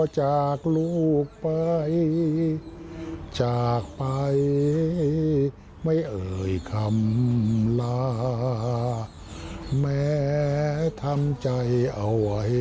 จับช่องบอกมาจากชั้นฟ้าสวรรค์ทางไหน